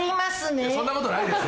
いやそんなことないですよ。